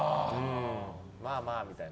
まあまあみたいな。